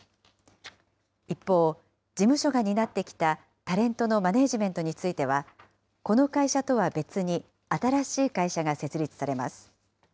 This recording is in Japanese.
一方、事務所が担ってきたタレントのマネージメントについては、この会社とは別に、新しい会社が設立されます。